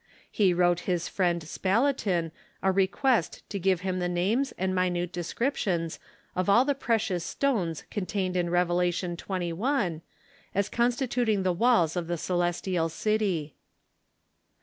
He wrote his friend Spalatin a request to give him the names and minute descriptions of all the precious stones mentioned in Revelation xxi., as constituting the walls of the celestial city.